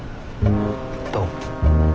どう？